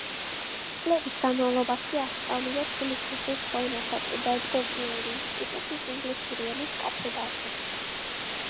წლების განმავლობაში ასწავლიდა თბილისის უცხო ენათა პედაგოგიური ინსტიტუტის ინგლისური ენის კათედრაზე.